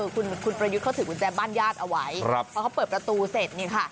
คุณประยุทธ์เขาถือกุญแจบ้านญาติเอาไว้พอเขาเปิดประตูเสร็จเนี่ยค่ะ